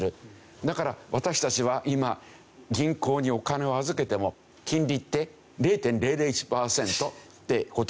だから私たちは今銀行にお金を預けても金利って０．００１パーセントって事になっているわけですよ。